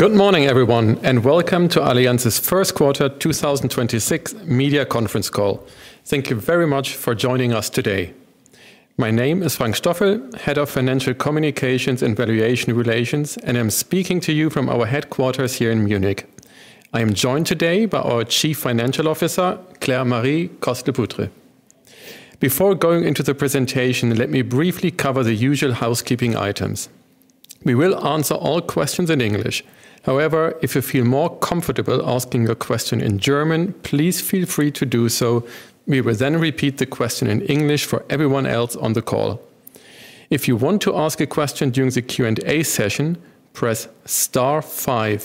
Good morning, everyone. Welcome to Allianz's first quarter 2026 media conference call. Thank you very much for joining us today. My name is Frank Stoffel, Head of Financial Communications and Investor Relations, and I'm speaking to you from our headquarters here in Munich. I am joined today by our Chief Financial Officer, Claire-Marie Coste-Lepoutre. Before going into the presentation, let me briefly cover the usual housekeeping items. We will answer all questions in English. If you feel more comfortable asking a question in German, please feel free to do so. We will repeat the question in English for everyone else on the call. If you want to ask a question during the Q&A session, press star star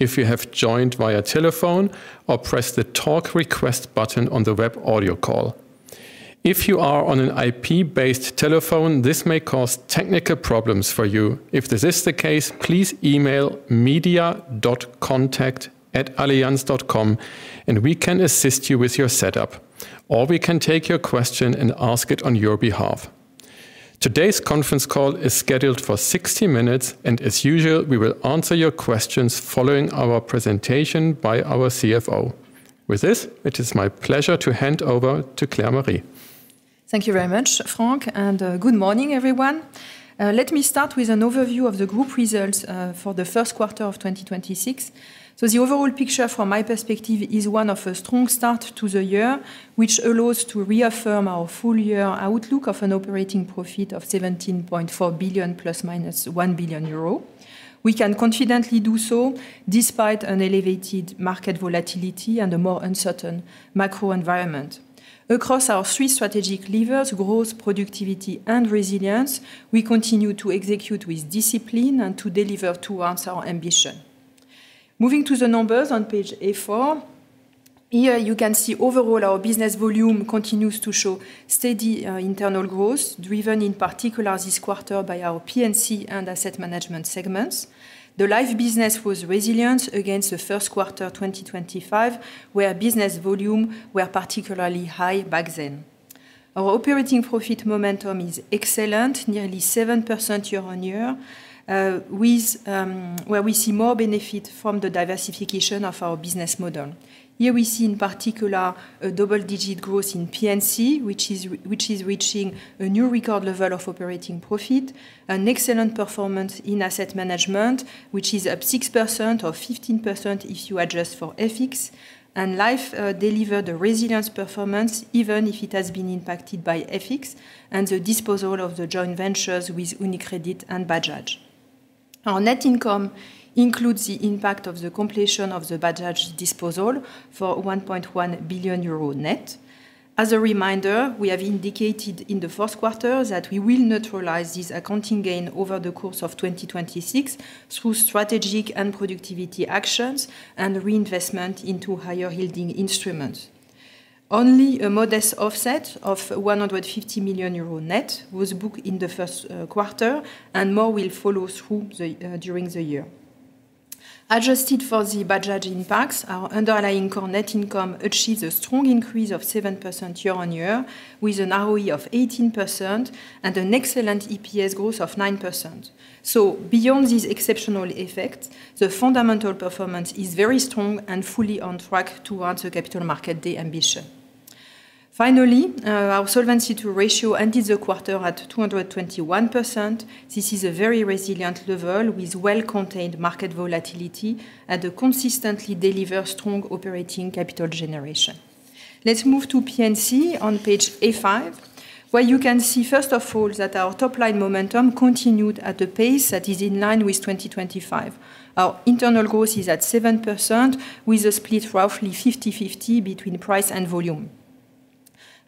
if you have joined via telephone or press the Talk Request button on the web audio call. If you are on an IP-based telephone, this may cause technical problems for you. If this is the case, please email media.contact@allianz.com and we can assist you with your setup, or we can take your question and ask it on your behalf. Today's conference call is scheduled for 60 minutes, and as usual, we will answer your questions following our presentation by our CFO. With this, it is my pleasure to hand over to Claire-Marie. Thank you very much, Frank, and good morning, everyone. Let me start with an overview of the group results for the first quarter of 2026. The overall picture from my perspective is one of a strong start to the year, which allows to reaffirm our full year outlook of an operating profit of 17.4 billion ± 1 billion euro. We can confidently do so despite an elevated market volatility and a more uncertain macro environment. Across our three strategic levers, growth, productivity, and resilience, we continue to execute with discipline and to deliver towards our ambition. Moving to the numbers on Page A4, here you can see overall our business volume continues to show steady internal growth, driven in particular this quarter by our P&C and Asset Management segments. The life business was resilient against the first quarter 2025, where business volume were particularly high back then. Our operating profit momentum is excellent, nearly 7% year-on-year, with where we see more benefit from the diversification of our business model. Here we see in particular a double-digit growth in P&C, which is reaching a new record level of operating profit, an excellent performance in asset management, which is up 6% or 15% if you adjust for FX. Life delivered a resilience performance even if it has been impacted by FX and the disposal of the joint ventures with UniCredit and Bajaj. Our net income includes the impact of the completion of the Bajaj disposal for 1.1 billion euro net. As a reminder, we have indicated in the first quarter that we will neutralize this accounting gain over the course of 2026 through strategic and productivity actions and reinvestment into higher-yielding instruments. Only a modest offset of 150 million euro net was booked in the first quarter, and more will follow during the year. Adjusted for the Bajaj impacts, our underlying core net income achieves a strong increase of 7% year-on-year, with an ROE of 18% and an excellent EPS growth of 9%. Beyond these exceptional effects, the fundamental performance is very strong and fully on track towards the Capital Market Day ambition. Finally, our solvency ratio ended the quarter at 221%. This is a very resilient level with well-contained market volatility and a consistently deliver strong operating capital generation. Let's move to P&C on page A5, where you can see, first of all, that our top-line momentum continued at a pace that is in line with 2025. Our internal growth is at 7% with a split roughly 50/50 between price and volume.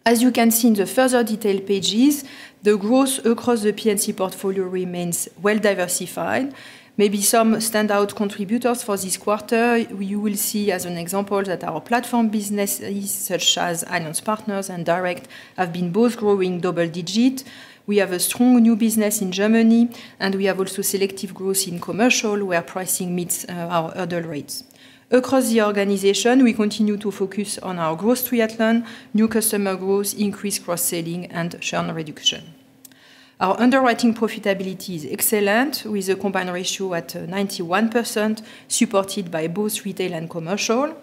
As you can see in the further detail pages, the growth across the P&C portfolio remains well-diversified. Maybe some standout contributors for this quarter, you will see as an example that our platform businesses such as Allianz Partners and Direct have been both growing double-digit. We have a strong new business in Germany, and we have also selective growth in commercial, where pricing meets our hurdle rates. Across the organization, we continue to focus on our Growth Triathlon, new customer growth, increased cross-selling and churn reduction. Our underwriting profitability is excellent, with a combined ratio at 91%, supported by both retail and commercial.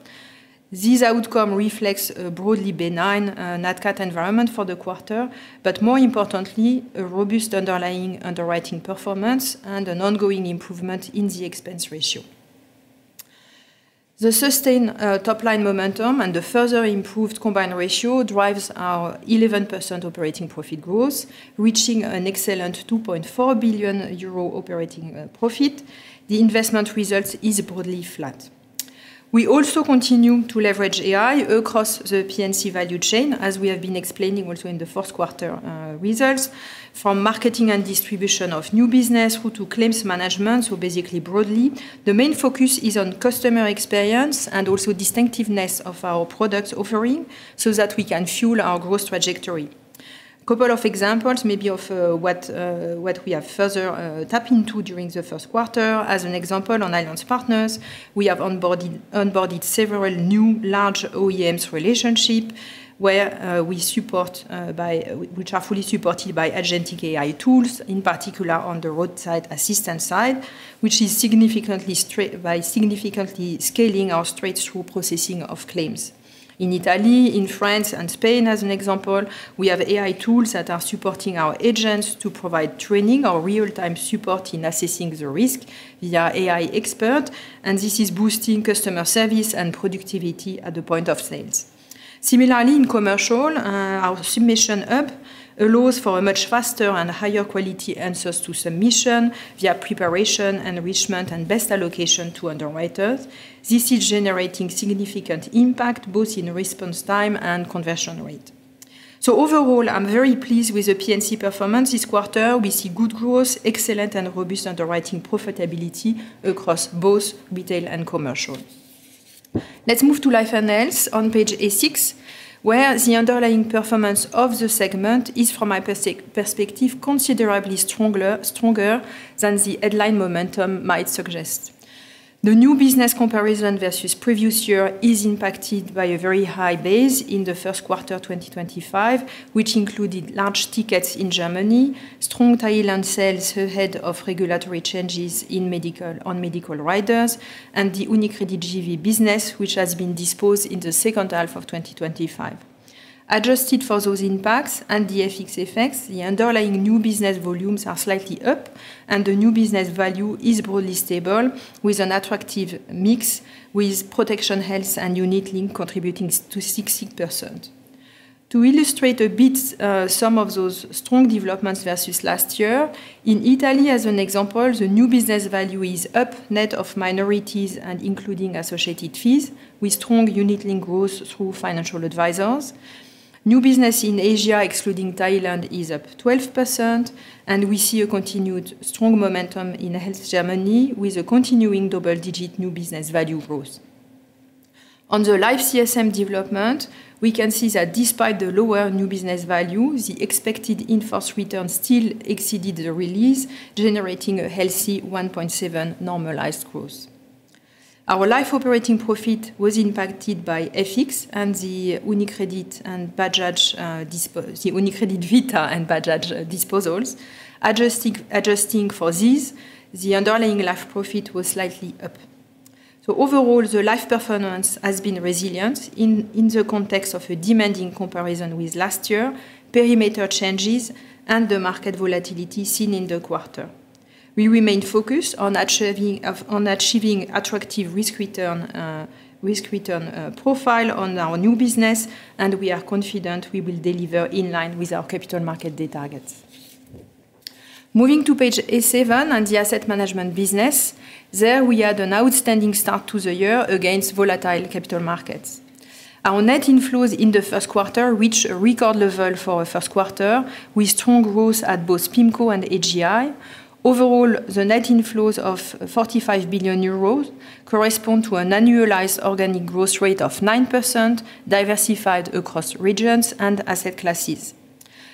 This outcome reflects a broadly benign nat cat environment for the quarter, but more importantly, a robust underlying underwriting performance and an ongoing improvement in the expense ratio. The sustained top-line momentum and the further improved combined ratio drives our 11% operating profit growth, reaching an excellent 2.4 billion euro operating profit. The investment result is broadly flat. We also continue to leverage AI across the P&C value chain, as we have been explaining also in the first quarter results. From marketing and distribution of new business through to claims management, so basically broadly, the main focus is on customer experience and also distinctiveness of our product offering so that we can fuel our growth trajectory. Couple of examples maybe of what we have further tapped into during the first quarter. As an example, on Allianz Partners, we have onboarded several new large OEMs relationship where we support by which are fully supported by agentic AI tools, in particular on the roadside assistance side, which is significantly scaling our straight-through processing of claims. In Italy, in France, and Spain as an example, we have AI tools that are supporting our agents to provide training or real-time support in assessing the risk via AI expert. This is boosting customer service and productivity at the point of sales. Similarly, in commercial, our submission hub allows for a much faster and higher quality answers to submission via preparation, enrichment, and best allocation to underwriters. This is generating significant impact both in response time and conversion rate. Overall, I'm very pleased with the P&C performance this quarter. We see good growth, excellent and robust underwriting profitability across both retail and commercial. Let's move to life and health on Page eight where the underlying performance of the segment is, from my perspective, considerably stronger than the headline momentum might suggest. The new business comparison versus previous year is impacted by a very high base in the first quarter 2025, which included large tickets in Germany, strong Thailand sales ahead of regulatory changes in medical on medical riders, and the UniCredit JV business which has been disposed in the second half of 2025. Adjusted for those impacts and the FX effects, the underlying new business volumes are slightly up, and the new business value is broadly stable with an attractive mix with protection, health and unit-linked contributing to 60%. To illustrate a bit, some of those strong developments versus last year, in Italy as an example, the new business value is up net of minorities and including associated fees with strong unit-linked growth through financial advisors. New business in Asia, excluding Thailand, is up 12%, and we see a continued strong momentum in health Germany with a continuing double-digit new business value growth. On the life CSM development, we can see that despite the lower new business value, the expected in-force return still exceeded the release, generating a healthy 1.7 normalized growth. Our life operating profit was impacted by FX and the UniCredit and Bajaj, the UniCredit Vita and Bajaj disposals. Adjusting for these, the underlying life profit was slightly up. Overall, the life performance has been resilient in the context of a demanding comparison with last year, perimeter changes, and the market volatility seen in the quarter. We remain focused on achieving on achieving attractive risk return profile on our new business, and we are confident we will deliver in line with our Capital Markets Day targets. Moving to Page eight and the asset management business. There we had an outstanding start to the year against volatile capital markets. Our net inflows in the first quarter reached a record level for a first quarter with strong growth at both PIMCO and AGI. Overall, the net inflows of 45 billion euros correspond to an annualized organic growth rate of 9% diversified across regions and asset classes.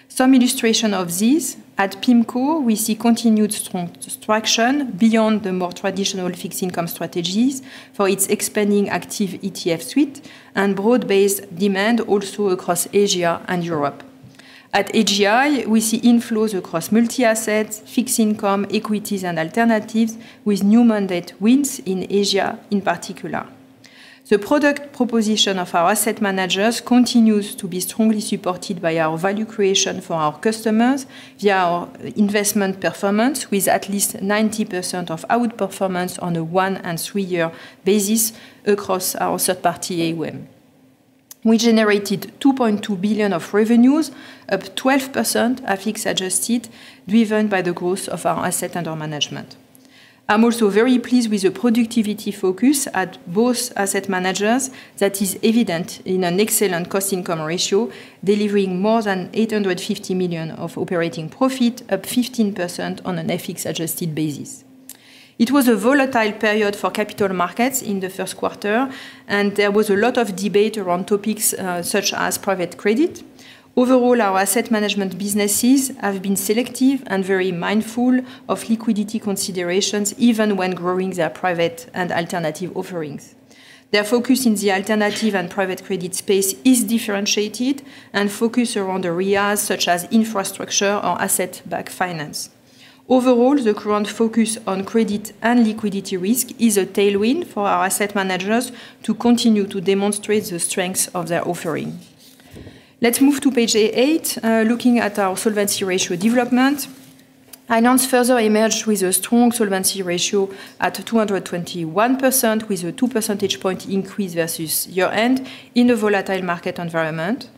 Some illustration of this, at PIMCO, we see continued strong traction beyond the more traditional fixed income strategies for its expanding active ETF suite and broad-based demand also across Asia and Europe. At AGI, we see inflows across multi-assets, fixed income, equities and alternatives with new mandate wins in Asia in particular. The product proposition of our asset managers continues to be strongly supported by our value creation for our customers via our investment performance with at least 90% of outperformance on a one and three-year basis across our third-party AUM. We generated 2.2 billion of revenues, up 12% FX adjusted, driven by the growth of our asset under management. I'm also very pleased with the productivity focus at both asset managers that is evident in an excellent cost-income ratio, delivering more than 850 million of operating profit, up 15% on an FX adjusted basis. It was a volatile period for capital markets in the first quarter. There was a lot of debate around topics such as private credit. Overall, our asset management businesses have been selective and very mindful of liquidity considerations even when growing their private and alternative offerings. Their focus in the alternative and private credit space is differentiated and focused around areas such as infrastructure or asset-backed finance. Overall, the current focus on credit and liquidity risk is a tailwind for our asset managers to continue to demonstrate the strengths of their offering. Let's move to page 8, looking at our solvency ratio development. Allianz further emerged with a strong solvency ratio at 221% with a 2 percentage point increase versus year-end in a volatile market environment.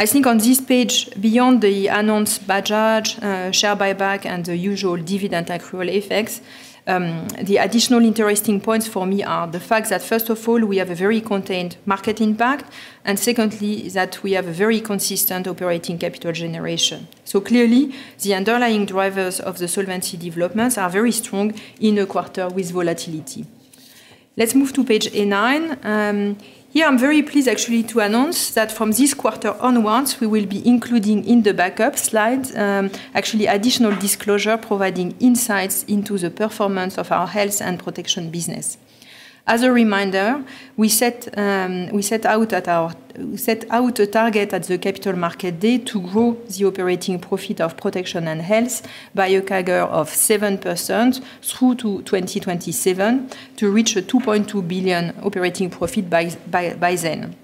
I think on this page, beyond the announced Bajaj share buyback and the usual dividend accrual effects, the additional interesting points for me are the fact that, first of all, we have a very contained market impact, and secondly, that we have a very consistent operating capital generation. Clearly, the underlying drivers of the solvency developments are very strong in a quarter with volatility. Let's move to Page A9. Here I'm very pleased actually to announce that from this quarter onwards, we will be including in the backup slides, actually additional disclosure providing insights into the performance of our health and protection business. As a reminder, we set out a target at the Capital Markets Day to grow the operating profit of protection and health by a CAGR of 7% through to 2027 to reach a 2.2 billion operating profit by then.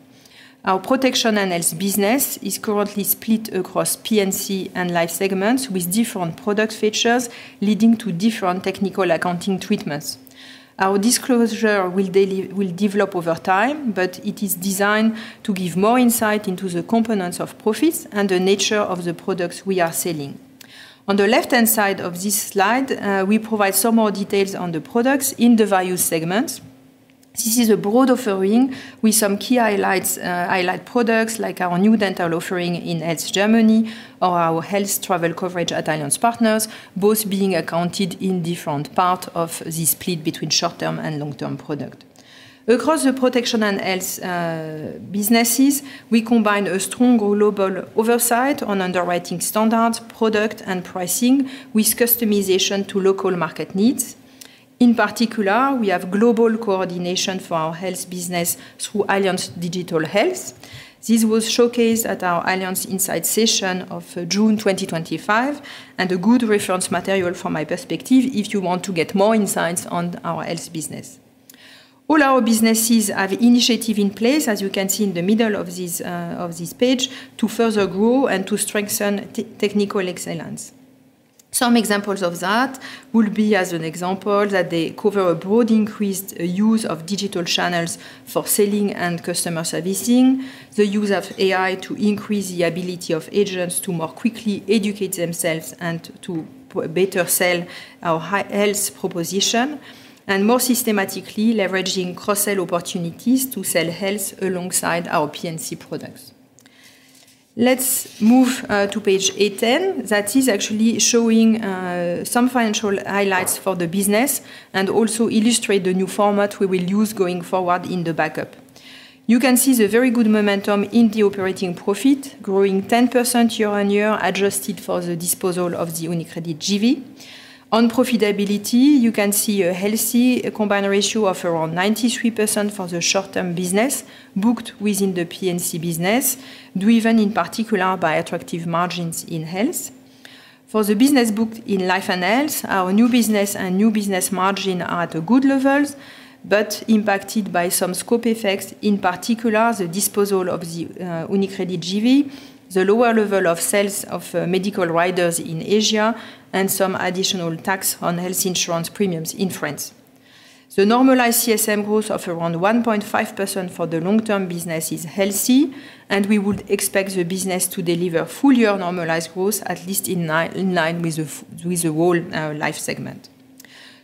Our protection and health business is currently split across P&C and life segments with different product features leading to different technical accounting treatments. Our disclosure will develop over time, but it is designed to give more insight into the components of profits and the nature of the products we are selling. On the left-hand side of this slide, we provide some more details on the products in the value segments. This is a broad offering with some key highlights, highlight products like our new dental offering in health Germany or our health travel coverage at Allianz Partners, both being accounted in different part of the split between short-term and long-term product. Across the protection and health businesses, we combine a stronger global oversight on underwriting standards, product, and pricing with customization to local market needs. In particular, we have global coordination for our health business through Allianz Digital Health. This was showcased at our Inside Allianz Series of June 2025, a good reference material from my perspective if you want to get more insights on our health business. All our businesses have initiative in place, as you can see in the middle of this of this page, to further grow and to strengthen technical excellence. Some examples of that will be as an example that they cover a broad increased use of digital channels for selling and customer servicing, the use of AI to increase the ability of agents to more quickly educate themselves and to better sell our health proposition, and more systematically leveraging cross-sell opportunities to sell health alongside our P&C products. Let's move to Page A10. That is actually showing some financial highlights for the business and also illustrate the new format we will use going forward in the backup. You can see the very good momentum in the operating profit, growing 10% year-on-year adjusted for the disposal of the UniCredit JV. On profitability, you can see a healthy combined ratio of around 93% for the short-term business booked within the P&C business, driven in particular by attractive margins in health. For the business booked in life and health, our new business and new business margin are at good levels, but impacted by some scope effects, in particular the disposal of the UniCredit JV, the lower level of sales of medical riders in Asia, and some additional tax on health insurance premiums in France. The normalized CSM growth of around 1.5% for the long-term business is healthy, and we would expect the business to deliver full-year normalized growth at least in line with the whole life segment.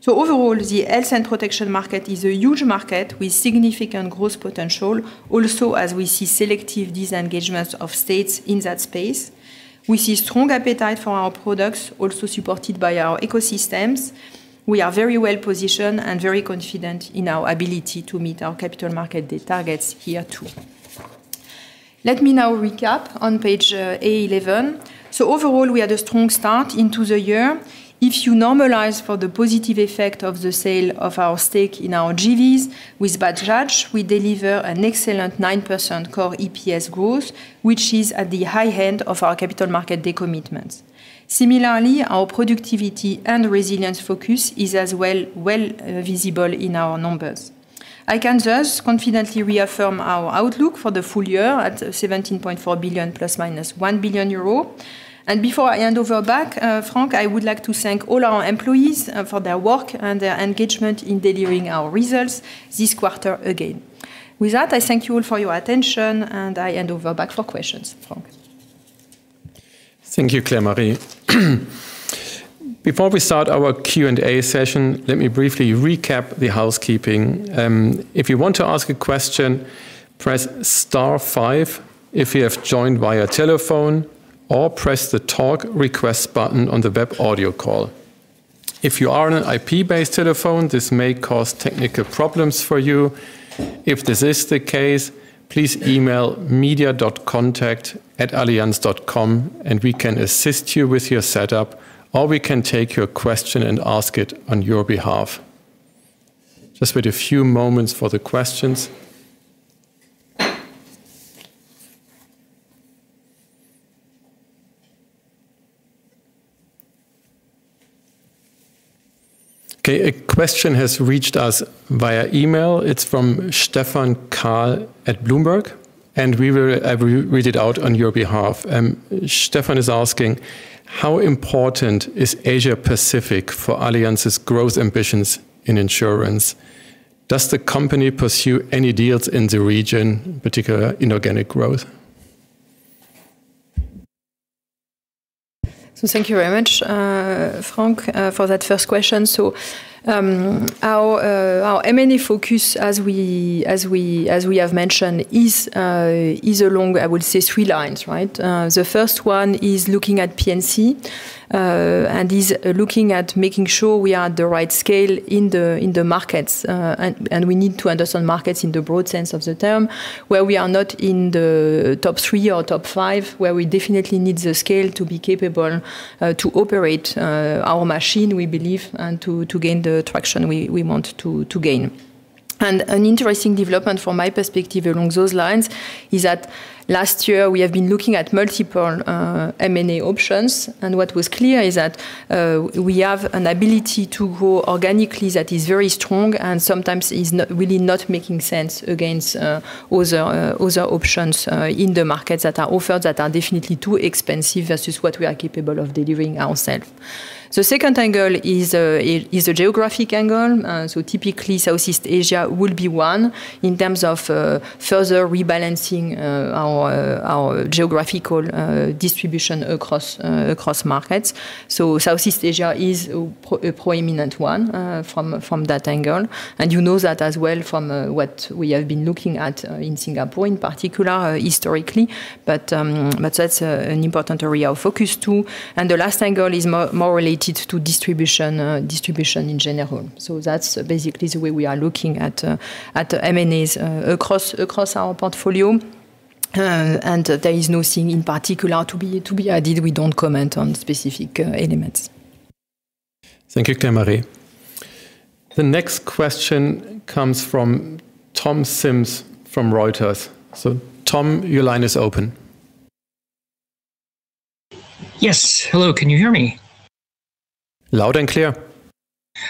Overall, the health and protection market is a huge market with significant growth potential. Also, as we see selective disengagements of states in that space. We see strong appetite for our products, also supported by our ecosystems. We are very well-positioned and very confident in our ability to meet our Capital Markets Day targets here too. Let me now recap on Page A11. Overall, we had a strong start into the year. If you normalize for the positive effect of the sale of our stake in our JVs with Bajaj, we deliver an excellent 9% core EPS growth, which is at the high end of our Capital Markets Day commitments. Similarly, our productivity and resilience focus is as well visible in our numbers. I can just confidently reaffirm our outlook for the full year at 17.4 billion ± 1 billion euro. Before I hand over back, Frank, I would like to thank all our employees for their work and their engagement in delivering our results this quarter again. With that, I thank you all for your attention, and I hand over back for questions. Frank. Thank you, Claire-Marie. Before we start our Q&A session, let me briefly recap the housekeeping. If you want to ask a question, press star five if you have joined via telephone or press the Talk Request button on the web audio call. If you are on an IP-based telephone, this may cause technical problems for you. If this is the case, please email media.contact@allianz.com and we can assist you with your setup, or we can take your question and ask it on your behalf. Just wait a few moments for the questions. Okay, a question has reached us via email. It's from Stephan Kahl at Bloomberg, and we will read it out on your behalf. Stephan is asking, "How important is Asia-Pacific for Allianz's growth ambitions in insurance? Does the company pursue any deals in the region, in particular inorganic growth? Thank you very much, Frank, for that first question. Our M&A focus as we have mentioned is along, I would say, three lines, right? The first one is looking at P&C and is looking at making sure we are at the right scale in the markets. And we need to understand markets in the broad sense of the term, where we are not in the top 3 or top 5, where we definitely need the scale to be capable to operate our machine, we believe, and to gain the traction we want to gain. An interesting development from my perspective along those lines is that last year we have been looking at multiple M&A options, and what was clear is that we have an ability to grow organically that is very strong and sometimes is not really not making sense against other options in the markets that are offered that are definitely too expensive versus what we are capable of delivering ourself. The second angle is a geographic angle. Typically Southeast Asia will be one in terms of further rebalancing our geographical distribution across across markets. Southeast Asia is a prominent one from that angle. You know that as well from what we have been looking at in Singapore in particular historically. That's an important area of focus too. The last angle is more related to distribution in general. That's basically the way we are looking at M&As across our portfolio. There is nothing in particular to be added. We don't comment on specific elements. Thank you, Claire-Marie. The next question comes from Tom Sims from Reuters. Tom, your line is open. Yes. Hello, can you hear me? Loud and clear.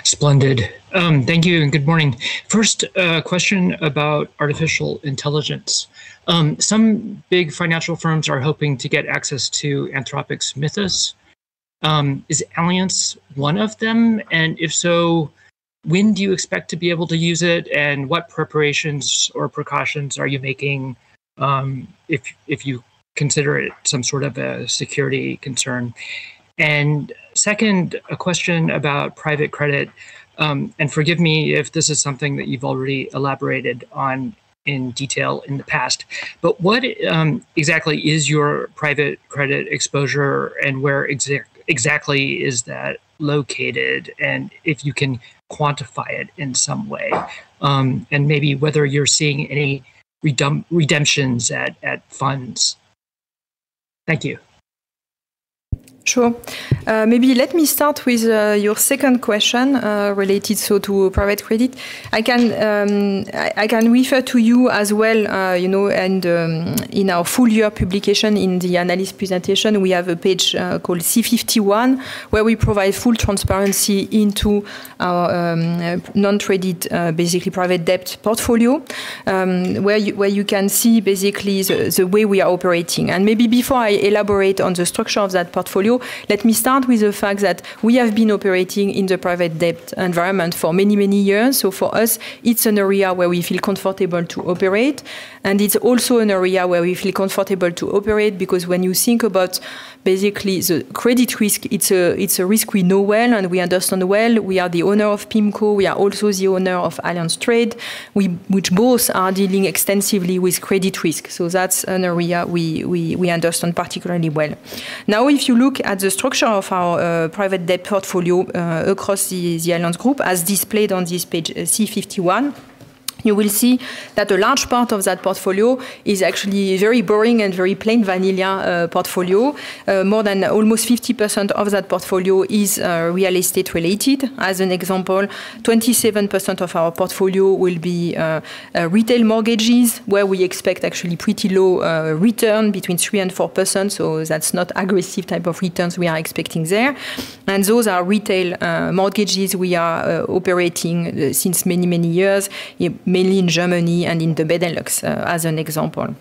Splendid. Thank you and good morning. First, a question about artificial intelligence. Some big financial firms are hoping to get access to Anthropic's Mythos. If so, when do you expect to be able to use it, and what preparations or precautions are you making, if you consider it some sort of a security concern? Second, a question about private credit. Forgive me if this is something that you've already elaborated on in detail in the past, but what exactly is your private credit exposure, and where exactly is that located, and if you can quantify it in some way? Maybe whether you're seeing any redemptions at funds. Thank you. Sure. Maybe let me start with your second question related so to private credit. I can refer to you as well, you know, and in our full year publication in the analyst presentation, we have a page called C-51, where we provide full transparency into our non-traded, basically private debt portfolio, where you can see basically the way we are operating. Maybe before I elaborate on the structure of that portfolio, let me start with the fact that we have been operating in the private debt environment for many, many years. For us, it's an area where we feel comfortable to operate, and it's also an area where we feel comfortable to operate because when you think about basically the credit risk, it's a risk we know well and we understand well. We are the owner of PIMCO. We are also the owner of Allianz Trade. Which both are dealing extensively with credit risk. That's an area we understand particularly well. If you look at the structure of our private debt portfolio across the Allianz Group as displayed on this page C-51, you will see that a large part of that portfolio is actually very boring and very plain vanilla portfolio. More than almost 50% of that portfolio is real estate related. As an example, 27% of our portfolio will be retail mortgages, where we expect actually pretty low return between 3% and 4%. That's not aggressive type of returns we are expecting there. Those are retail mortgages we are operating since many years, mainly in Germany and in the Benelux, as an example.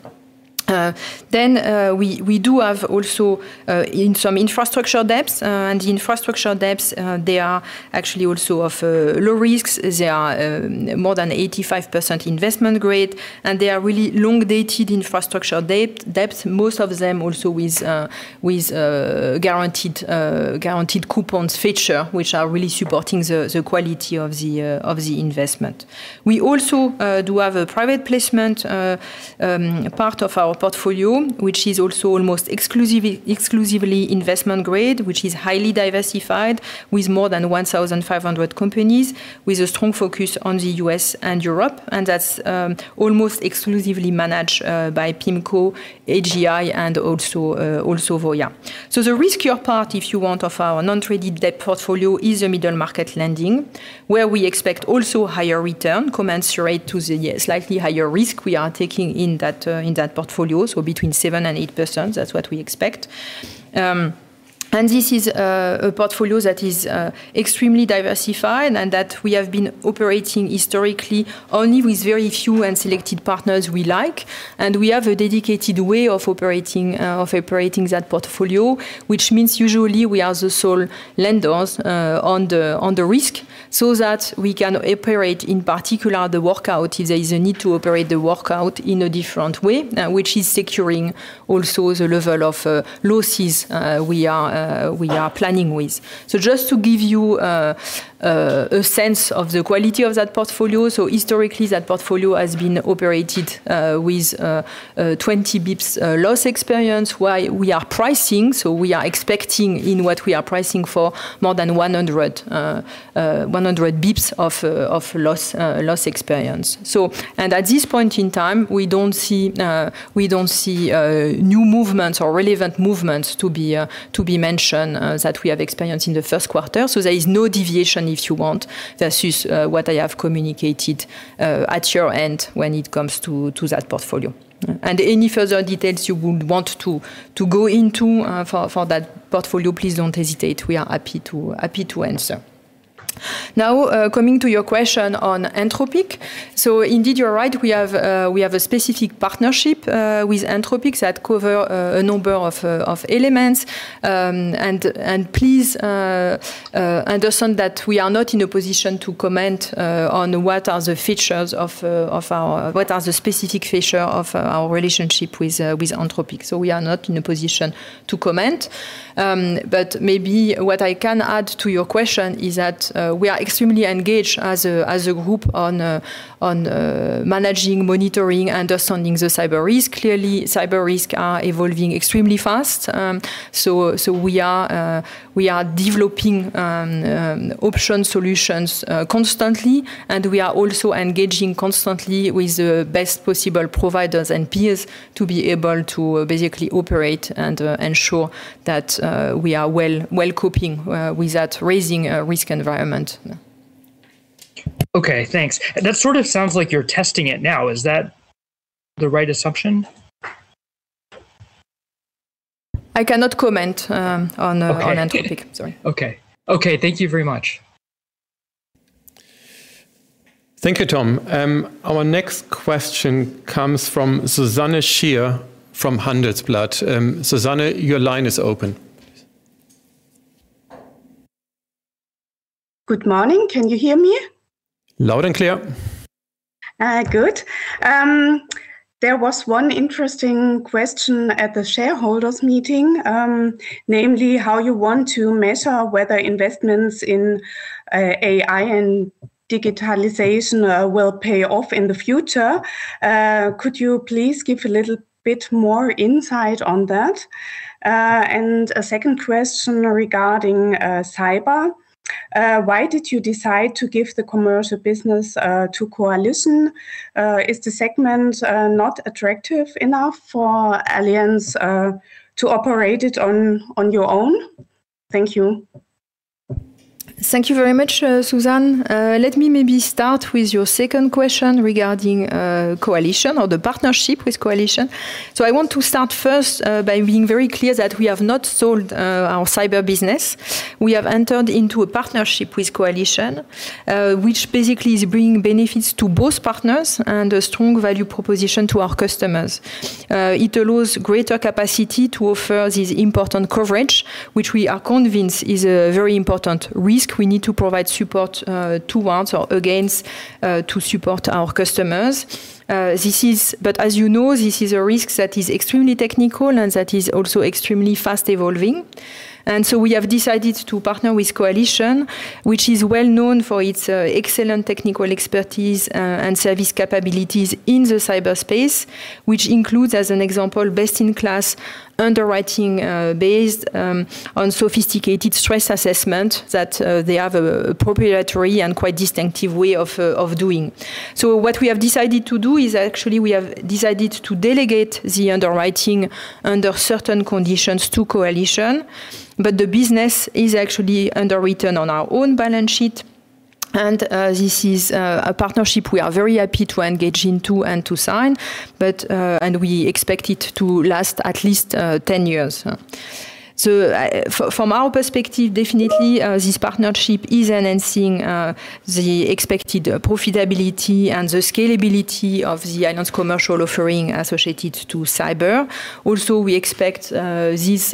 Then we do have also in some infrastructure debts, and the infrastructure debts, they are actually also of low risks. They are more than 85% investment grade, and they are really long-dated infrastructure debts, most of them also with guaranteed coupons feature, which are really supporting the quality of the investment. We also do have a private placement part of our portfolio, which is also almost exclusively investment grade, which is highly diversified with more than 1,500 companies with a strong focus on the U.S. and Europe, that's almost exclusively managed by PIMCO, AGI, and also Voya. The riskier part, if you want, of our non-traded debt portfolio is the middle market lending, where we expect also higher return commensurate to the slightly higher risk we are taking in that portfolio. Between 7%-8%, that's what we expect. This is a portfolio that is extremely diversified and that we have been operating historically only with very few and selected partners we like. We have a dedicated way of operating that portfolio, which means usually we are the sole lenders, on the risk so that we can operate, in particular the workout, if there is a need to operate the workout in a different way, which is securing also the level of losses, we are planning with. Just to give you a sense of the quality of that portfolio, historically that portfolio has been operated with 20 basis points loss experience, while we are pricing, so we are expecting in what we are pricing for more than 100 basis points of loss experience. And at this point in time, we don't see new movements or relevant movements to be mentioned that we have experienced in the first quarter. There is no deviation if you want. That is what I have communicated at your end when it comes to that portfolio. And any further details you would want to go into for that portfolio, please don't hesitate. We are happy to answer. Coming to your question on Anthropic. Indeed, you're right. We have a specific partnership with Anthropic that cover a number of elements. And please understand that we are not in a position to comment on what are the specific feature of our relationship with Anthropic. We are not in a position to comment. Maybe what I can add to your question is that we are extremely engaged as a group on managing, monitoring, understanding the cyber risk. Clearly, cyber risk are evolving extremely fast. We are developing option solutions constantly, and we are also engaging constantly with the best possible providers and peers to be able to basically operate and ensure that we are well coping with that raising risk environment. Okay, thanks. That sort of sounds like you're testing it now. Is that the right assumption? I cannot comment. Okay on Anthropic. Sorry. Okay. Okay, thank you very much. Thank you, Tom. Our next question comes from Susanne Scheer from Handelsblatt. Susanne, your line is open. Good morning. Can you hear me? Loud and clear. Good. There was one interesting question at the shareholders meeting, namely how you want to measure whether investments in AI and digitalization will pay off in the future. Could you please give a little bit more insight on that? A second question regarding cyber. Why did you decide to give the commercial business to Coalition? Is the segment not attractive enough for Allianz to operate it on your own? Thank you. Thank you very much, Susanne. Let me maybe start with your second question regarding Coalition or the partnership with Coalition. I want to start first by being very clear that we have not sold our cyber business. We have entered into a partnership with Coalition, which basically is bringing benefits to both partners and a strong value proposition to our customers. It allows greater capacity to offer this important coverage, which we are convinced is a very important risk we need to provide support towards or against to support our customers. As you know, this is a risk that is extremely technical and that is also extremely fast evolving. We have decided to partner with Coalition, which is well known for its excellent technical expertise and service capabilities in the cyberspace, which includes, as an example, best-in-class underwriting, based on sophisticated stress assessment that they have a proprietary and quite distinctive way of doing. What we have decided to do is actually we have decided to delegate the underwriting under certain conditions to Coalition, but the business is actually underwritten on our own balance sheet. This is a partnership we are very happy to engage into and to sign, and we expect it to last at least 10 years. From our perspective, definitely, this partnership is enhancing the expected profitability and the scalability of the Allianz Commercial offering associated to cyber. We expect this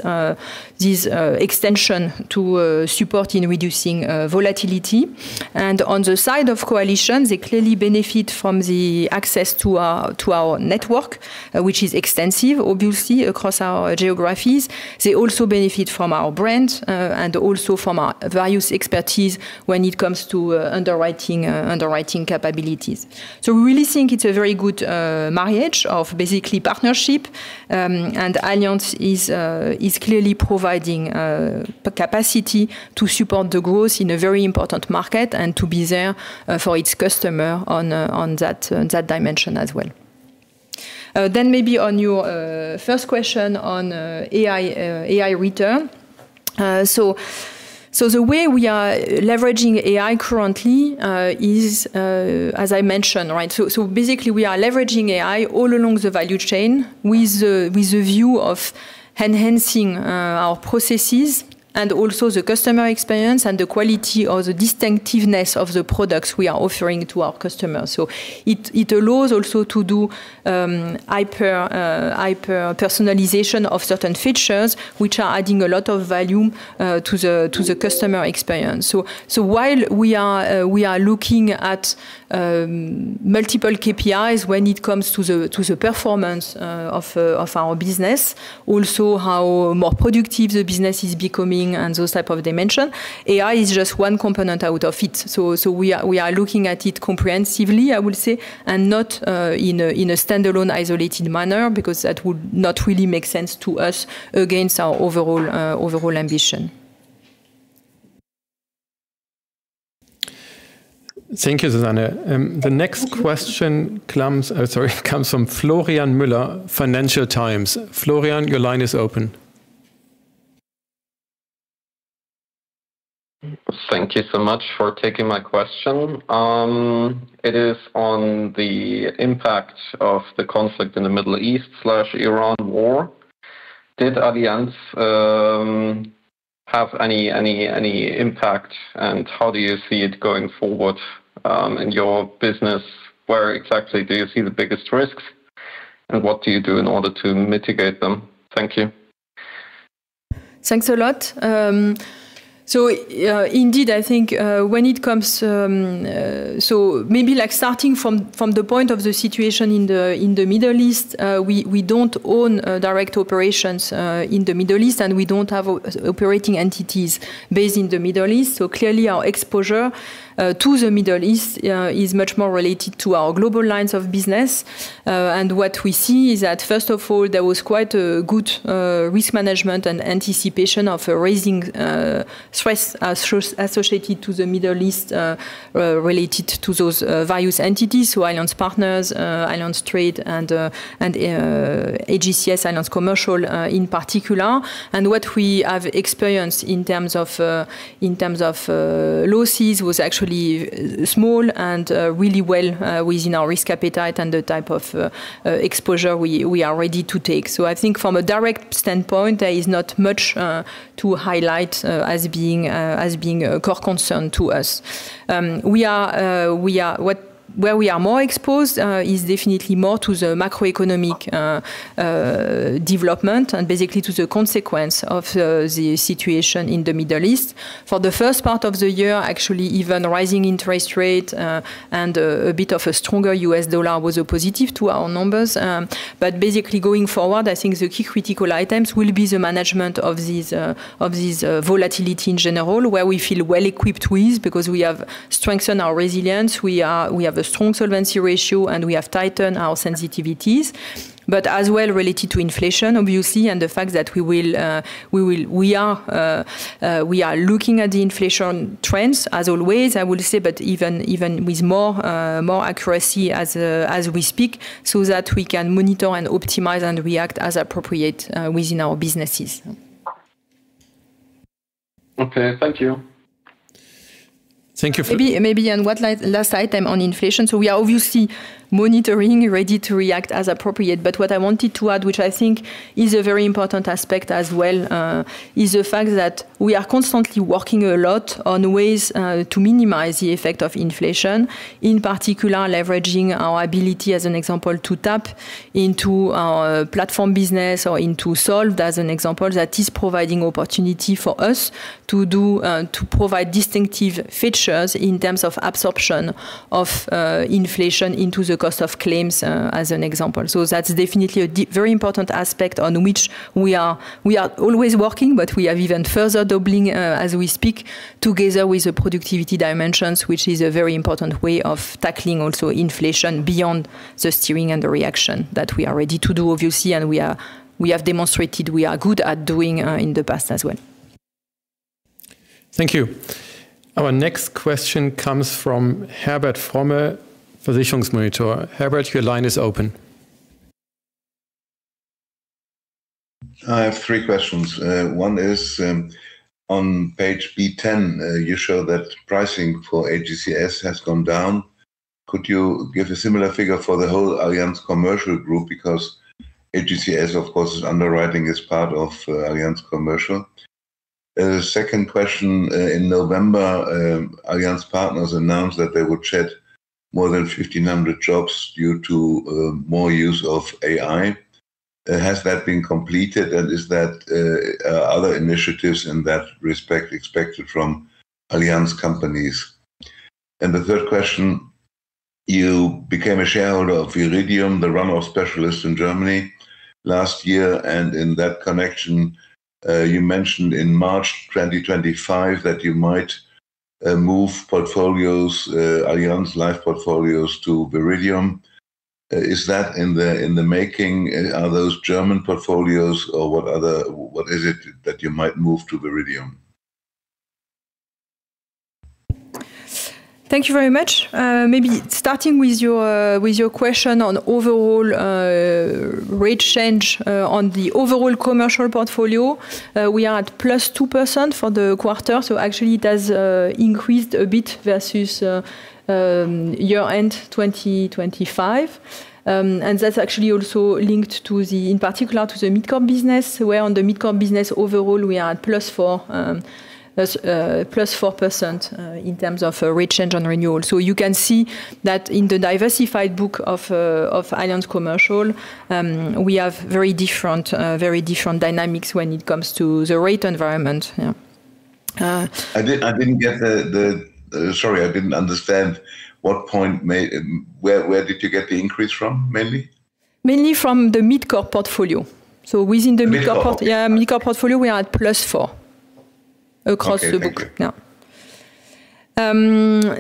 extension to support in reducing volatility. On the side of Coalition, they clearly benefit from the access to our network, which is extensive, obviously, across our geographies. They also benefit from our brand and also from our various expertise when it comes to underwriting capabilities. We really think it's a very good marriage of basically partnership. Allianz is clearly providing capacity to support the growth in a very important market and to be there for its customer on that dimension as well. Maybe on your first question on AI return. The way we are leveraging AI currently is as I mentioned, right? Basically we are leveraging AI all along the value chain with the view of enhancing our processes and also the customer experience and the quality or the distinctiveness of the products we are offering to our customers. It allows also to do hyper-personalization of certain features which are adding a lot of value to the customer experience. While we are looking at multiple KPIs when it comes to the performance of our business, also how more productive the business is becoming and those type of dimension, AI is just one component out of it. We are looking at it comprehensively, I would say, and not in a standalone isolated manner because that would not really make sense to us against our overall overall ambition. Thank you, Susanne. The next question comes from Florian Müller, Financial Times. Florian, your line is open. Thank you so much for taking my question. It is on the impact of the conflict in the Middle East/Iran war. Did Allianz have any impact, and how do you see it going forward in your business? Where exactly do you see the biggest risks, and what do you do in order to mitigate them? Thank you. Thanks a lot. Indeed, I think when it comes, maybe, starting from the point of the situation in the Middle East, we don't own direct operations in the Middle East, and we don't have operating entities based in the Middle East. Clearly our exposure to the Middle East is much more related to our global lines of business. What we see is that, first of all, there was quite a good risk management and anticipation of raising stress associated to the Middle East related to those various entities who Allianz Partners, Allianz Trade and AGCS, Allianz Commercial, in particular. What we have experienced in terms of in terms of losses was actually small and really well within our risk appetite and the type of exposure we are ready to take. I think from a direct standpoint, there is not much to highlight as being a core concern to us. We are we are Where we are more exposed is definitely more to the macroeconomic development and basically to the consequence of the situation in the Middle East. For the first part of the year, actually, even rising interest rate and a bit of a stronger U.S. dollar was a positive to our numbers. Basically going forward, I think the key critical items will be the management of these volatility in general, where we feel well-equipped with because we have strengthened our resilience. We have a strong solvency ratio, and we have tightened our sensitivities. As well related to inflation, obviously, and the fact that we will We are looking at the inflation trends as always, I would say, but even with more, more accuracy as we speak, so that we can monitor and optimize and react as appropriate, within our businesses. Okay. Thank you. Thank you for- Maybe last item on inflation. We are obviously monitoring, ready to react as appropriate. What I wanted to add, which I think is a very important aspect as well, is the fact that we are constantly working a lot on ways to minimize the effect of inflation, in particular leveraging our ability, as an example, to tap into our platform business or into [Solved], as an example, that is providing opportunity for us to do to provide distinctive features in terms of absorption of inflation into the cost of claims, as an example. That's definitely a very important aspect on which we are always working, but we are even further doubling as we speak, together with the productivity dimensions, which is a very important way of tackling also inflation beyond the steering and the reaction that we are ready to do, obviously, and we are, we have demonstrated we are good at doing in the past as well. Thank you. Our next question comes from Herbert Fromme, Versicherungsmonitor. Herbert, your line is open. I have three questions. One is on Page B10, you show that pricing for AGCS has gone down. Could you give a similar figure for the whole Allianz Commercial group? Because AGCS, of course, is underwriting as part of Allianz Commercial. Second question, in November, Allianz Partners announced that they would shed more than 1,500 jobs due to more use of AI. Has that been completed, and is that other initiatives in that respect expected from Allianz companies? The third question, you became a shareholder of Viridium, the run-off specialist in Germany, last year. In that connection, you mentioned in March 2025 that you might move portfolios, Allianz life portfolios to Viridium. Is that in the making? Are those German portfolios, or what other, what is it that you might move to Viridium? Thank you very much. Starting with your question on overall rate change on the overall Allianz Commercial portfolio. We are at +2% for the quarter, actually it has increased a bit versus year-end 2025. That's actually also linked to the in particular to the MidCorp business, where on the MidCorp business overall we are at +4%, that's +4% in terms of rate change on renewal. You can see that in the diversified book of Allianz Commercial, we have very different dynamics when it comes to the rate environment. I didn't get the sorry, I didn't understand what point made. Where did you get the increase from mainly? Mainly from the MidCorp portfolio. within the MidCorp- MidCorp. Yeah, MidCorp portfolio we are at +4% across the book. Okay. Thank you.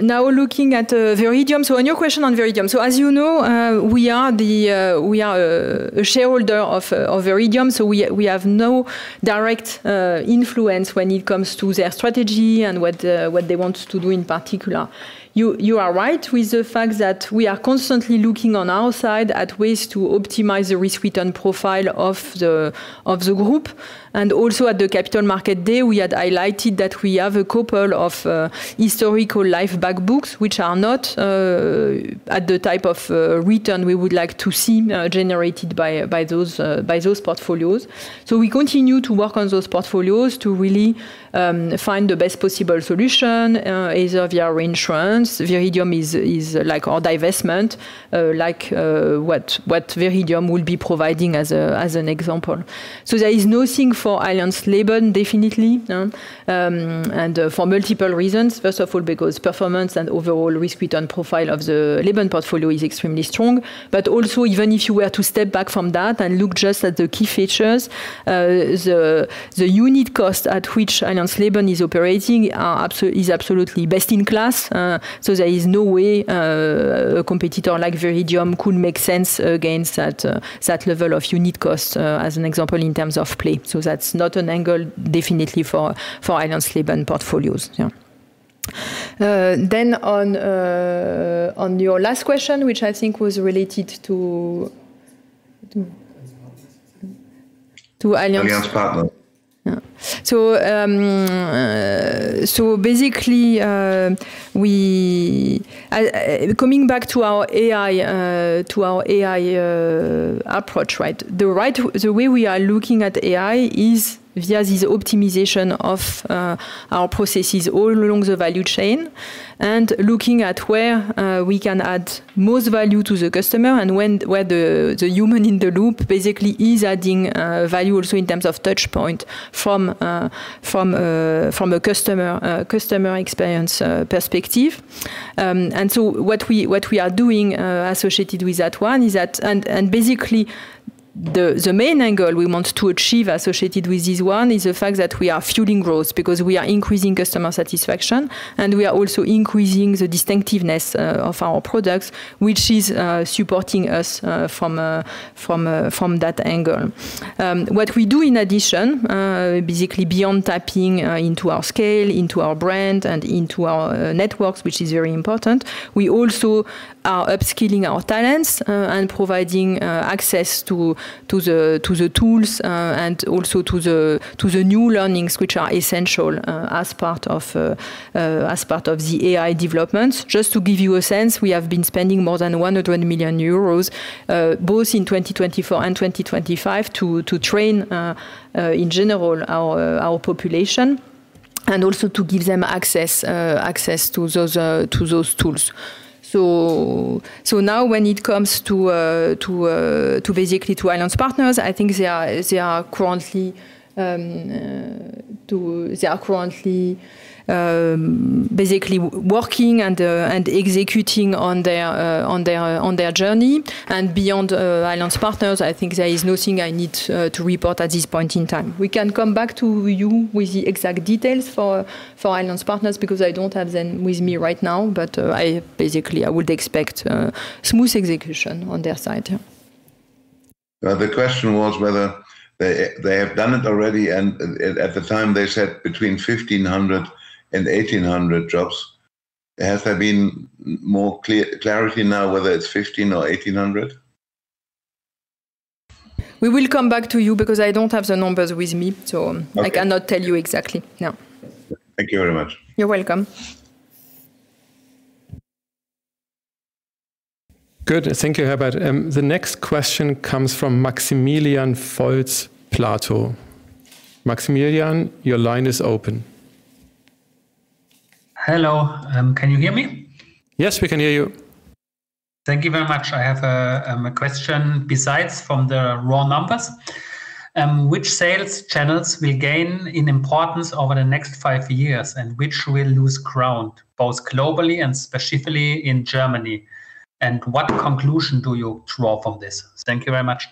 Now looking at Viridium. On your question on Viridium. As you know, we are the, we are a shareholder of Viridium, so we have no direct influence when it comes to their strategy and what they want to do in particular. You are right with the fact that we are constantly looking on our side at ways to optimize the risk-return profile of the group. Also at the Capital Markets Day, we had highlighted that we have a couple of historical life back books which are not at the type of return we would like to see generated by those portfolios. We continue to work on those portfolios to really find the best possible solution, either via reinsurance. Viridium is like our divestment, like what Viridium will be providing as an example. There is nothing for Allianz Leben definitely, and for multiple reasons. First of all, because performance and overall risk-return profile of the Leben portfolio is extremely strong. Also even if you were to step back from that and look just at the key features, the unit cost at which Allianz Leben is operating is absolutely best in class. There is no way a competitor like Viridium could make sense against that level of unit cost as an example in terms of play. That's not an angle definitely for Allianz Leben portfolios. Yeah. On your last question, which I think was related to. Allianz Partners to Allianz Allianz Partners. Yeah. Basically, we coming back to our AI approach. The way we are looking at AI is via this optimization of our processes all along the value chain, looking at where we can add most value to the customer and where the human in the loop basically is adding value also in terms of touch point from a customer experience perspective. What we are doing associated with that one is that. Basically the main angle we want to achieve associated with this one is the fact that we are fueling growth because we are increasing customer satisfaction and we are also increasing the distinctiveness of our products, which is supporting us from that angle. What we do in addition, basically beyond tapping into our scale, into our brand and into our networks, which is very important, we also are upskilling our talents and providing access to the tools and also to the new learnings which are essential as part of the AI developments. Just to give you a sense, we have been spending more than 100 million euros both in 2024 and 2025 to train in general our population and also to give them access to those tools. Now when it comes to basically to Allianz Partners, I think they are currently working and executing on their journey. Beyond Allianz Partners, I think there is nothing I need to report at this point in time. We can come back to you with the exact details for Allianz Partners, because I don't have them with me right now. I basically, I would expect smooth execution on their side. The question was whether they have done it already and at the time they said between 1,500 jobs and 1,800 jobs. Has there been more clarity now whether it's 15,00 jobs or 1,800 jobs? We will come back to you because I don't have the numbers with me. Okay I cannot tell you exactly. No. Thank you very much. You're welcome. Good. Thank you, Herbert. The next question comes from Maximilian Volz, Platow. Maximilian, your line is open. Hello. Can you hear me? Yes, we can hear you. Thank you very much. I have a question besides from the raw numbers. Which sales channels will gain in importance over the next five years, and which will lose ground both globally and specifically in Germany? What conclusion do you draw from this? Thank you very much.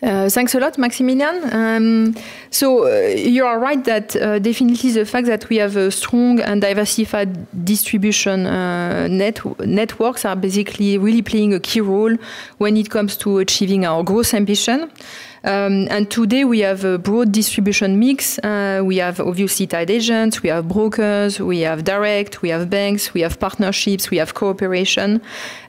Thanks a lot, Maximilian. You are right that definitely the fact that we have a strong and diversified distribution networks are basically really playing a key role when it comes to achieving our growth ambition. Today we have a broad distribution mix. We have obviously tied agents, we have brokers, we have direct, we have banks, we have partnerships, we have cooperation.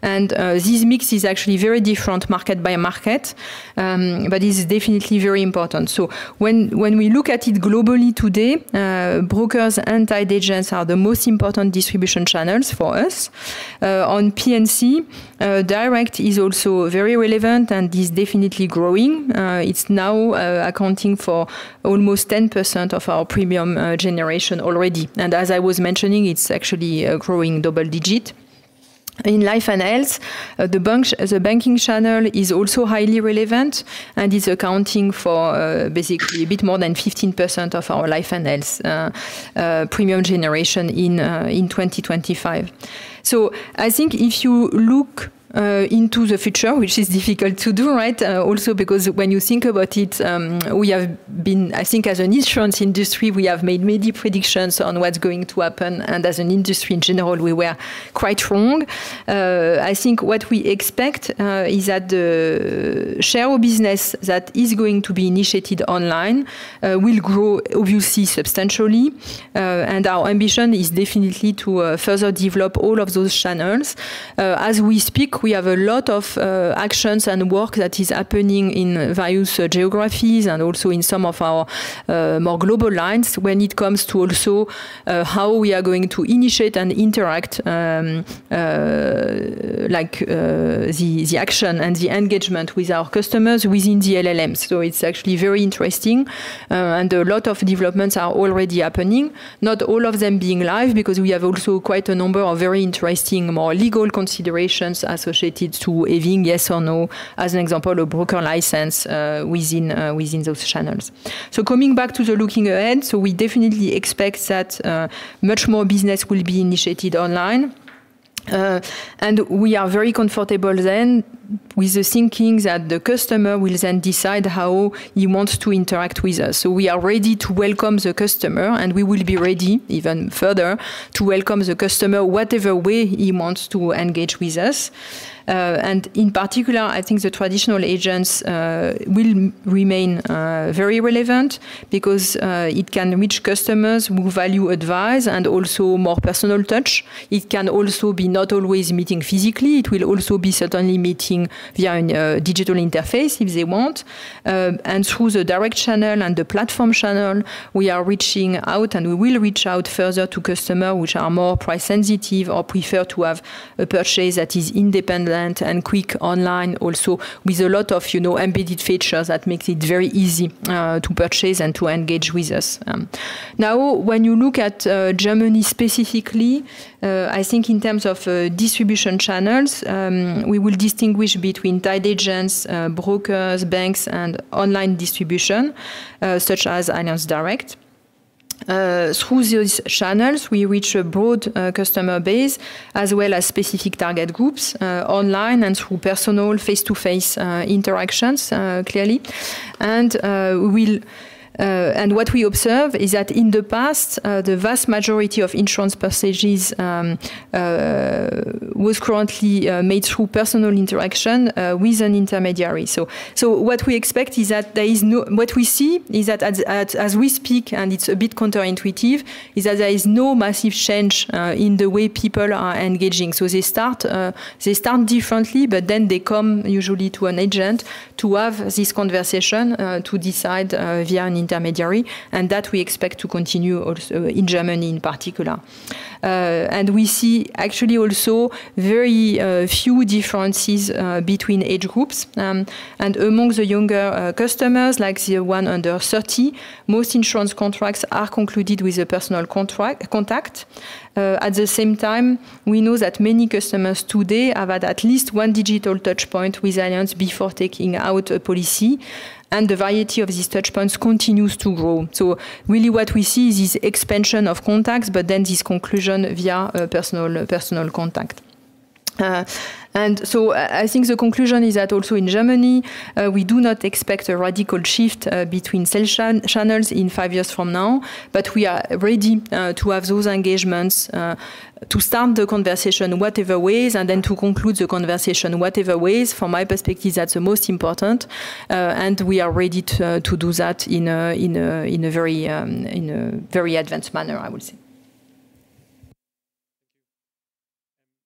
This mix is actually very different market by market. It's definitely very important. When we look at it globally today, brokers and tied agents are the most important distribution channels for us. On P&C, direct is also very relevant and is definitely growing. It's now accounting for almost 10% of our premium generation already. As I was mentioning, it's actually growing double digit. In life and health, the banking channel is also highly relevant and is accounting for basically a bit more than 15% of our life and health premium generation in 2025. I think if you look into the future, which is difficult to do, right? Also because when you think about it, as an insurance industry, we have made many predictions on what's going to happen, and as an industry in general, we were quite wrong. I think what we expect is that the share of business that is going to be initiated online will grow obviously substantially. Our ambition is definitely to further develop all of those channels. As we speak, we have a lot of actions and work that is happening in various geographies and also in some of our more global lines when it comes to also how we are going to initiate and interact, the action and the engagement with our customers within the LLMs. It's actually very interesting, and a lot of developments are already happening, not all of them being live because we have also quite a number of very interesting, more legal considerations associated to having yes or no, as an example, a broker license within those channels. Coming back to the looking ahead, we definitely expect that much more business will be initiated online. We are very comfortable then with the thinking that the customer will then decide how he wants to interact with us. We are ready to welcome the customer, and we will be ready even further to welcome the customer whatever way he wants to engage with us. In particular, I think the traditional agents will remain very relevant because it can reach customers who value advice and also more personal touch. It can also be not always meeting physically. It will also be certainly meeting via a digital interface if they want. Through the direct channel and the platform channel, we are reaching out and we will reach out further to customer which are more price sensitive or prefer to have a purchase that is independent and quick online also with a lot of, you know, embedded features that makes it very easy to purchase and to engage with us. When you look at Germany specifically, I think in terms of distribution channels, we will distinguish between tied agents, brokers, banks, and online distribution, such as Allianz Direct. Through these channels, we reach a broad customer base as well as specific target groups, online and through personal face-to-face interactions, clearly. What we observe is that in the past, the vast majority of insurance purchases was currently made through personal interaction with an intermediary. What we see is that as we speak, and it's a bit counterintuitive, is that there is no massive change in the way people are engaging. They start differently, but then they come usually to an agent to have this conversation to decide via an intermediary, and that we expect to continue also in Germany in particular. We see actually also very few differences between age groups. Among the younger customers, like the one under 30, most insurance contracts are concluded with a personal contact. At the same time, we know that many customers today have had at least one digital touchpoint with Allianz before taking out a policy, and the variety of these touchpoints continues to grow. Really what we see is this expansion of contacts, but then this conclusion via a personal contact. I think the conclusion is that also in Germany, we do not expect a radical shift between sales channels in five years from now. We are ready to have those engagements to start the conversation whatever ways and then to conclude the conversation whatever ways. From my perspective, that's the most important, and we are ready to do that in a very advanced manner, I would say.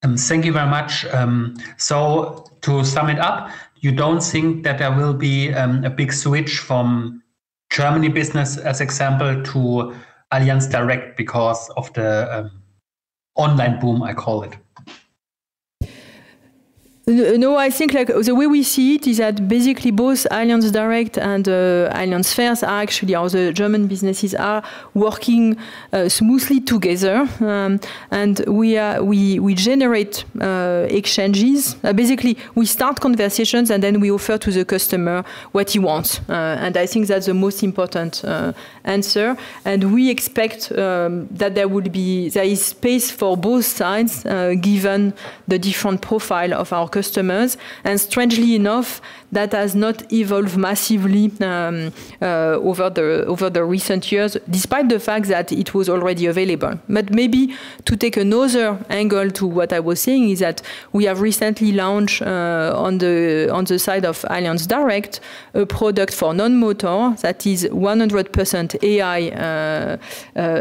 Thank you very much. To sum it up, you don't think that there will be a big switch from Germany business, as example, to Allianz Direct because of the online boom, I call it? No, I think like the way we see it is that basically both Allianz Direct and Allianz Vertrieb are actually our German businesses are working smoothly together. We generate exchanges. Basically, we start conversations, and then we offer to the customer what he wants. I think that's the most important answer. We expect that there is space for both sides given the different profile of our customers. Strangely enough, that has not evolved massively over the recent years, despite the fact that it was already available. Maybe to take another angle to what I was saying is that we have recently launched on the side of Allianz Direct a product for non-motor that is 100%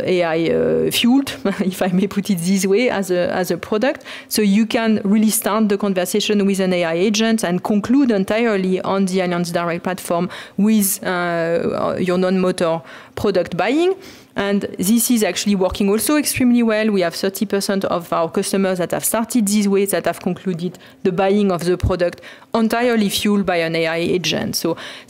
AI fueled, if I may put it this way, as a product. You can really start the conversation with an AI agent and conclude entirely on the Allianz Direct platform with your non-motor product buying. This is actually working also extremely well. We have 30% of our customers that have started this way, that have concluded the buying of the product entirely fueled by an AI agent.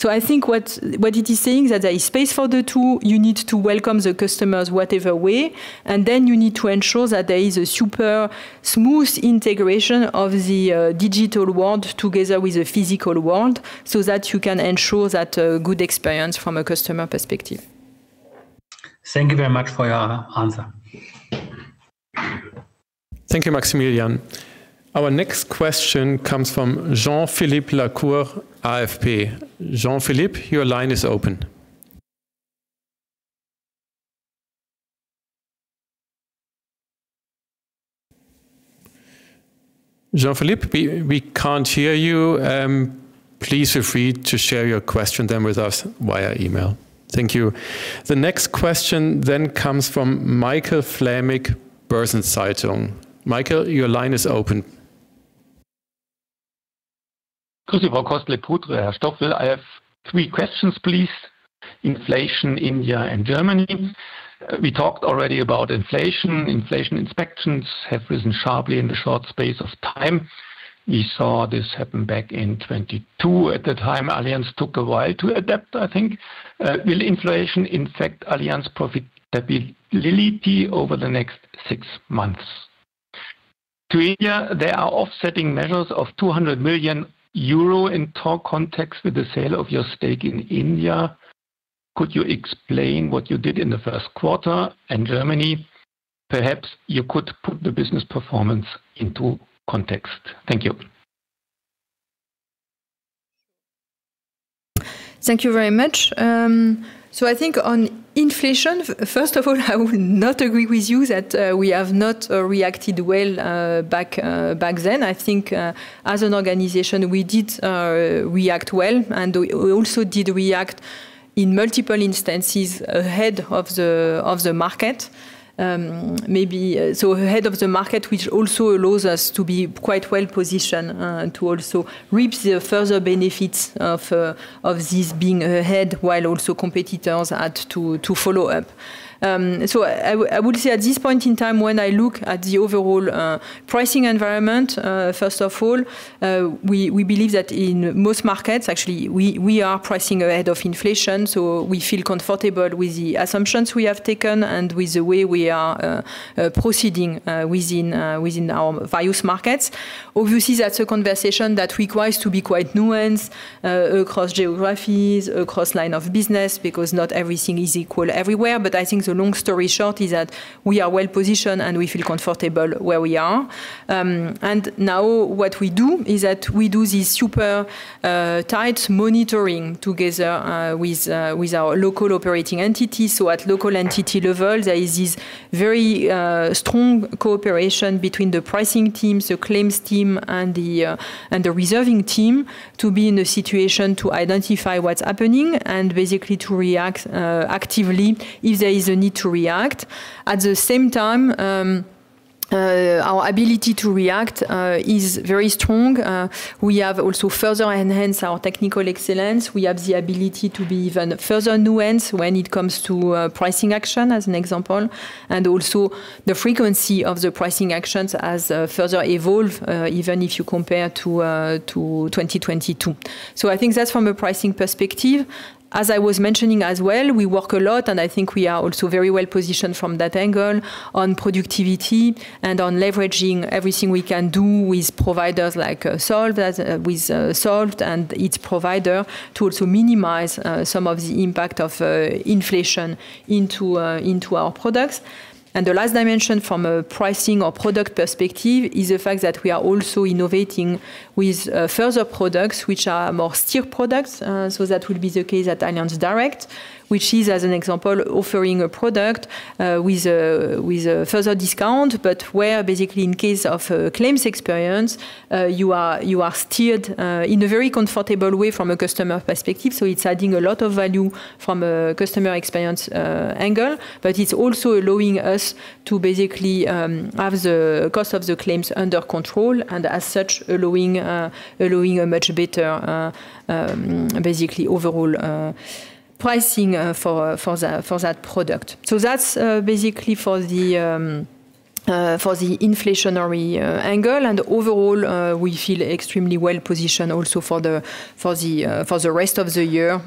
I think what it is saying that there is space for the two, you need to welcome the customers whatever way, and then you need to ensure that there is a super smooth integration of the digital world together with the physical world, so that you can ensure that good experience from a customer perspective. Thank you very much for your answer. Thank you, Maximilian. Our next question comes from Jean-Philippe Lacour, AFP. Jean-Philippe, we can't hear you. Please feel free to share your question then with us via email. Thank you. The next question then comes from Michael Flämig, Börsen-Zeitung. Michael, your line is open. I have three questions, please. Inflation, India, and Germany. We talked already about inflation. Inflation expectations have risen sharply in the short space of time. We saw this happen back in 2022. At the time, Allianz took a while to adapt, I think. Will inflation affect Allianz profitability over the next six months? To India, there are offsetting measures of 200 million euro in total context with the sale of your stake in India. Could you explain what you did in the first quarter? Germany, perhaps you could put the business performance into context. Thank you. Thank you very much. I think on inflation, first of all, I would not agree with you that we have not reacted well back then. I think as an organization, we did react well, and we also did react in multiple instances ahead of the market. Ahead of the market, which also allows us to be quite well-positioned to also reap the further benefits of this being ahead, while also competitors had to follow-up. I would say at this point in time, when I look at the overall pricing environment, first of all, we believe that in most markets, actually, we are pricing ahead of inflation, so we feel comfortable with the assumptions we have taken and with the way we are proceeding within our various markets. Obviously, that's a conversation that requires to be quite nuanced across geographies, across line of business, because not everything is equal everywhere. I think the long story short is that we are well-positioned, and we feel comfortable where we are. Now what we do is that we do this super tight monitoring together with our local operating entities. At local entity level, there is this very strong cooperation between the pricing team, the claims team, and the reserving team to be in a situation to identify what's happening and basically to react actively if there is a need to react. At the same time, our ability to react is very strong. We have also further enhanced our technical excellence. We have the ability to be even further nuanced when it comes to pricing action as an example, and also the frequency of the pricing actions has further evolved even if you compare to 2022. I think that's from a pricing perspective. As I was mentioning as well, we work a lot, and I think we are also very well-positioned from that angle on productivity and on leveraging everything we can do with providers like Solved, as with Solved and its provider to also minimize some of the impact of inflation into our products. The last dimension from a pricing or product perspective is the fact that we are also innovating with further products which are more steer products. That will be the case at Allianz Direct, which is, as an example, offering a product with a further discount, but where basically in case of a claims experience, you are steered in a very comfortable way from a customer perspective. It's adding a lot of value from a customer experience angle, but it's also allowing us to basically have the cost of the claims under control and as such, allowing a much better basically overall pricing for that product. That's basically for the inflationary angle. Overall, we feel extremely well-positioned also for the rest of the year.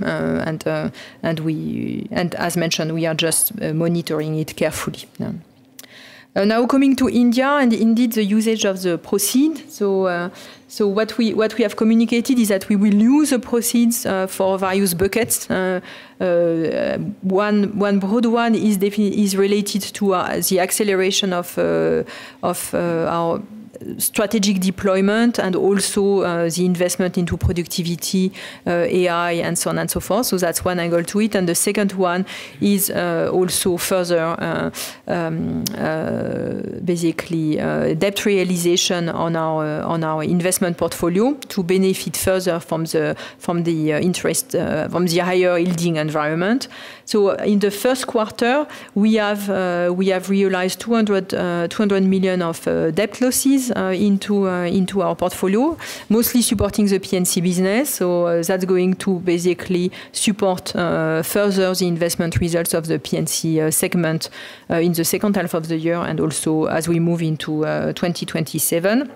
As mentioned, we are just monitoring it carefully now. Coming to India, and indeed the usage of the proceeds. What we have communicated is that we will use the proceeds for various buckets. One, one broad one is related to the acceleration of our strategic deployment and also the investment into productivity, AI, and so on and so forth. The second one is also further basically debt realization on our investment portfolio to benefit further from the interest from the higher yielding environment. In the first quarter, we have realized 200 million of debt losses into our portfolio, mostly supporting the P&C business. That's going to basically support further the investment results of the P&C segment in the second half of the year and also as we move into 2027.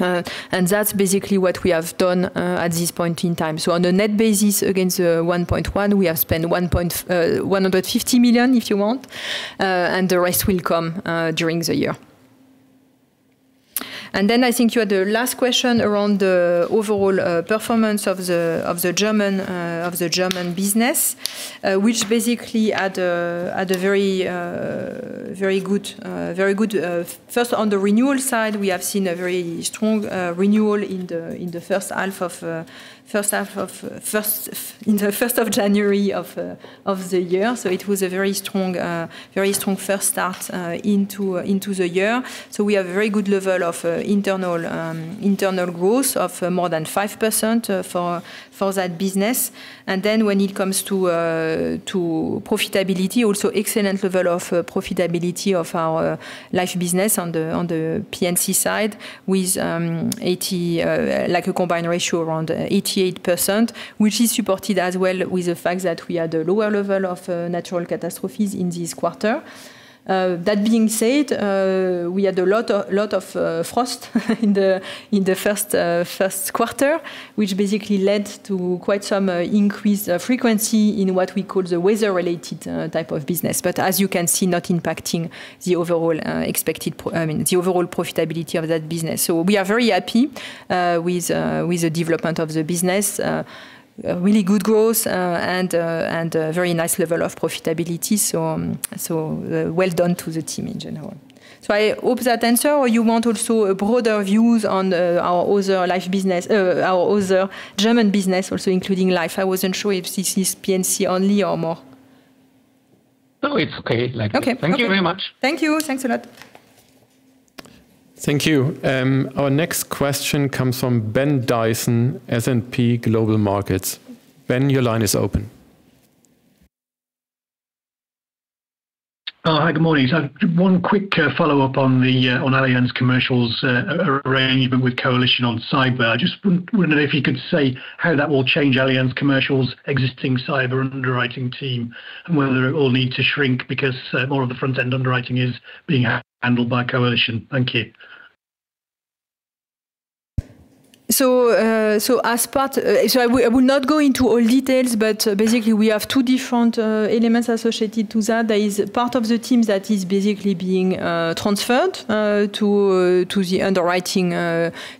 That's basically what we have done at this point in time. On a net basis, against the 1.1, we have spent 150 million, if you want, and the rest will come during the year. Then I think you had a last question around the overall performance of the German business, which basically had a very good. First, on the renewal side, we have seen a very strong renewal in the first half of first in the January 1st of the year. It was a very strong first start into the year. We have very good level of internal growth of more than 5% for that business. When it comes to profitability, also excellent level of profitability of our life business on the P&C side with a combined ratio around 88%, which is supported as well with the fact that we had a lower level of natural catastrophes in this quarter. That being said, we had a lot of frost in the first quarter, which basically led to quite some increased frequency in what we call the weather-related type of business. As you can see, not impacting the overall, I mean, the overall profitability of that business. We are very happy with the development of the business. A really good growth and a very nice level of profitability. Well done to the team in general. I hope that answer or you want also a broader views on our other life business, our other German business also including life. I wasn't sure if this is P&C only or more. No, it's okay like that. Okay. Okay. Thank you very much. Thank you. Thanks a lot. Thank you. Our next question comes from Ben Dyson, S&P Global Market Intelligence. Ben, your line is open. Oh, hi. Good morning. One quick follow-up on the Allianz Commercial's arrangement with Coalition on cyber. I just wondered if you could say how that will change Allianz Commercial's existing cyber underwriting team and whether it will need to shrink because more of the front-end underwriting is being handled by Coalition. Thank you. I will not go into all details, but basically we have two different elements associated to that. There is part of the team that is basically being transferred to the underwriting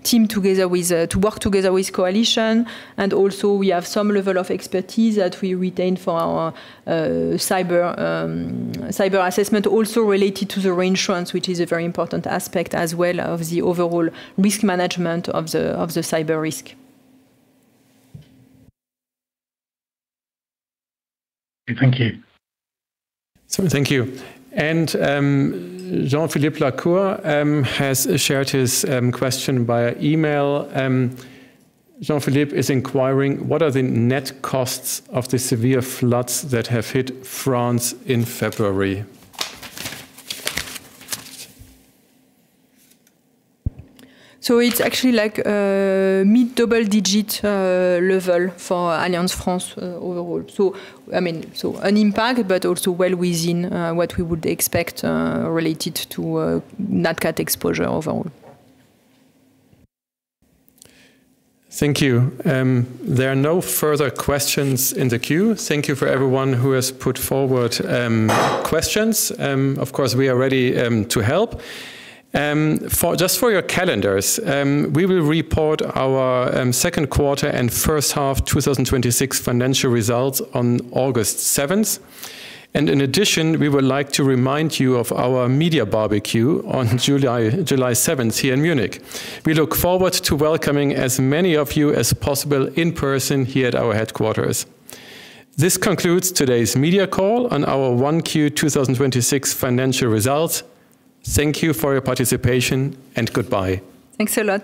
team to work together with Coalition. Also we have some level of expertise that we retain for our cyber assessment, also related to the reinsurance, which is a very important aspect as well of the overall risk management of the cyber risk. Thank you. Thank you. Jean-Philippe Lacour has shared his question via email. Jean-Philippe is inquiring, what are the net costs of the severe floods that have hit France in February? It's actually like a mid-double digit level for Allianz France overall. I mean, an impact but also well within what we would expect related to nat cat exposure overall. Thank you. There are no further questions in the queue. Thank you for everyone who has put forward questions. Of course, we are ready to help. For just for your calendars, we will report our second quarter and first half 2026 financial results on August 7th. In addition, we would like to remind you of our media barbecue on July 7th here in Munich. We look forward to welcoming as many of you as possible in person here at our headquarters. This concludes today's media call on our 1Q 2026 financial results. Thank you for your participation, and goodbye. Thanks a lot.